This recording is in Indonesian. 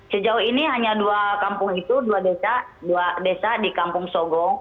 sejauh ini hanya dua kampung itu dua desa dua desa di kampung sogong